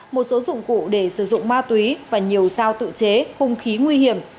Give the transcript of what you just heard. một số dụng cụ để sử dụng ma túy và nhiều sao tự chế hung khí nguy hiểm